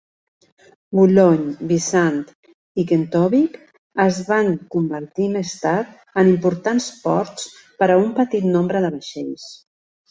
Boulogne, Wissant i Quentovic es van convertir més tard en importants ports per a un petit nombre de vaixells.